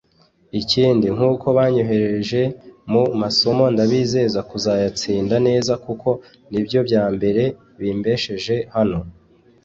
Ikindi nk' uko banyohereje mu masomo ndabizeza kuzayatsinda neza kuko nibyo bya mbere bimbesheje hano